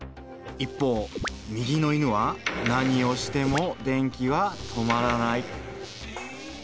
一方右の犬は何をしても電気は止まらない。